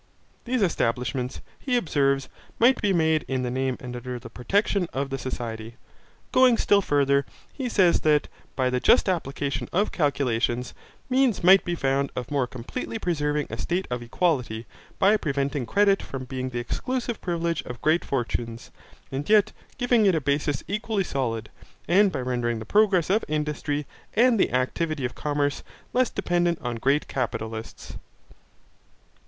These establishments, he observes, might be made in the name and under the protection of the society. Going still further, he says that, by the just application of calculations, means might be found of more completely preserving a state of equality, by preventing credit from being the exclusive privilege of great fortunes, and yet giving it a basis equally solid, and by rendering the progress of industry, and the activity of commerce, less dependent on great capitalists.